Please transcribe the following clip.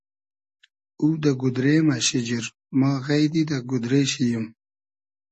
او دۂ گودرې مۂ شیجیر, ما غݷدی دۂ گودرې شی ییم